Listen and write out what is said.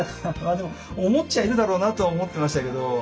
でも思っちゃいるだろうなとは思ってましたけど。